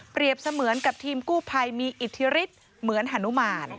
เปรียบเสมือนกับทีมกู้ไพรมีอิทธิฤทธิ์เหมือนหนุมาน